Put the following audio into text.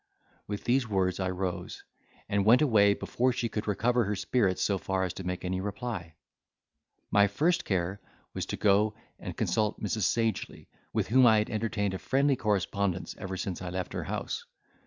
With these words I rose, and went away before she could recover her spirits so far as to make any reply. My first care was to go and consult Mrs. Sagely, with whom I had entertained a friendly correspondence ever since I left her house.